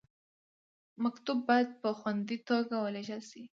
مکتوب باید په خوندي توګه ولیږل شي.